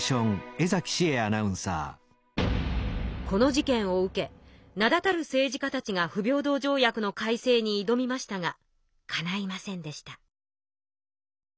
この事件を受け名だたる政治家たちが不平等条約の改正に挑みましたがかないませんでした。